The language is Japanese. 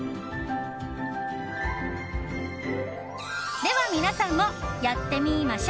では、皆さんもやってみましょ！